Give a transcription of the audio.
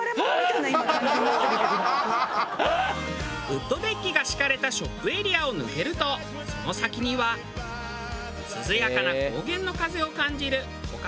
ウッドデッキが敷かれたショップエリアを抜けるとその先には涼やかな高原の風を感じる木陰の遊歩道。